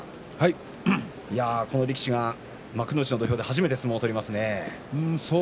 この力士が幕内の土俵で初めて相撲を取りますね。